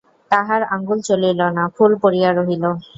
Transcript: তাহার আঙুল চলিল না–ফুল পড়িয়া রহিল।